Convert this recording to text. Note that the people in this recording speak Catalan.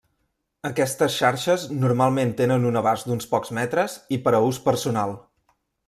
Aquestes xarxes normalment tenen un abast d'uns pocs metres i per a ús personal.